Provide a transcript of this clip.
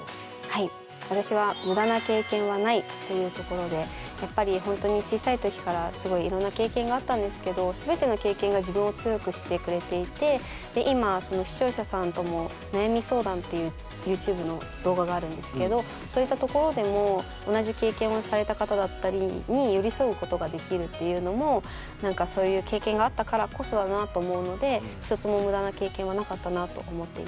はい私はやっぱりほんとに小さい時からすごいいろんな経験があったんですけど全ての経験が自分を強くしてくれていてで今視聴者さんとも悩み相談っていうユーチューブの動画があるんですけどそういった所でも同じ経験をされた方だったりに寄り添うことができるっていうのもそういう経験があったからこそだなと思うので一つも無駄な経験はなかったなあと思っています。